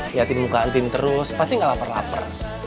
liatin muka antin terus pasti gak lapar lapar